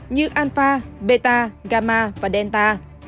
như alpha beta gamma và delta